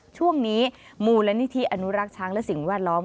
ช่วงนี้หมู่และนิธีอนุรักษ์ช้างและสิ่งว่าล้อม